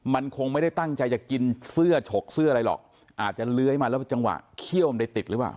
มันคงไม่ได้ตั้งใจจะกินเสื้อฉกเสื้ออะไรหรอกอาจจะเลื้อยมาแล้วจังหวะเขี้ยวมันได้ติดหรือเปล่า